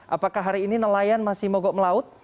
apakah hari ini nelayan masih mogok melaut